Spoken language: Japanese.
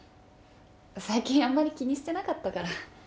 最近あんまり気にしてなかったから。